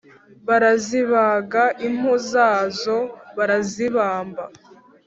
barazibaga impu zazo barazibamba,